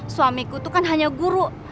suamiku itu kan hanya guru